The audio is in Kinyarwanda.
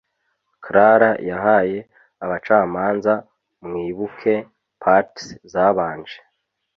Clara yahaye abacamanza mwibuke parts zabanje